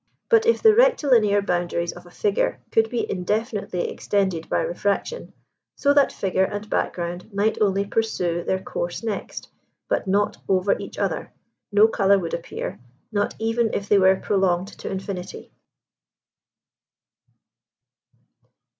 But if the rectilinear boundaries of a figure could be indefinitely extended by refraction, so that figure and background might only pursue their course next, but not over each other, no colour would appear, not even if they were prolonged to infinity.